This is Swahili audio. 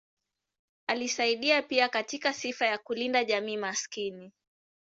Alisaidia pia katika sifa ya kulinda jamii maskini.